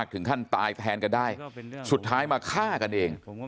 ถึงขั้นตายแทนกันได้สุดท้ายมาฆ่ากันเอง